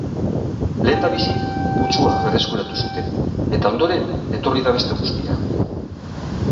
Lehendabizi putzua berreskuratu zuten, eta ondoren etorri da beste guztia.